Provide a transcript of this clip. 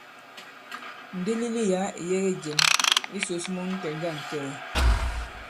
Ndilili yǎ ì yege jěm. Ǐ sǔs mun tɔ̀ jȃŋ kɛɛ.